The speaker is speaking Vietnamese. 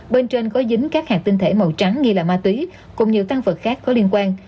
bên trên có dính các hạt tinh thể màu trắng ghi là ma túy cũng như tăng vật khác có liên quan